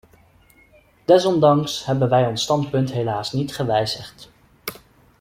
Desondanks hebben wij ons standpunt helaas niet gewijzigd.